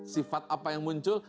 sifat apa yang muncul